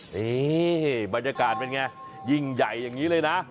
นี่บรรยากาศเป็นไงยิ่งใหญ่อย่างนี้เลยนะ